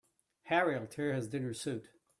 Harry'll tear his dinner suit.